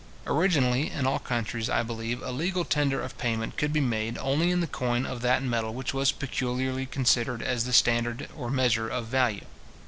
Originally, in all countries, I believe, a legal tender of payment could be made only in the coin of that metal which was peculiarly considered as the standard or measure of value.